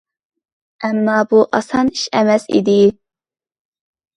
ئەمما بۇ ئاسان ئىش ئەمەس ئىدى.